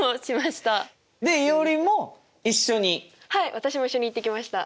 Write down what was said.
私も一緒に行ってきました。